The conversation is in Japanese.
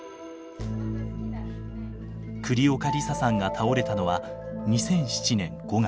栗岡梨沙さんが倒れたのは２００７年５月。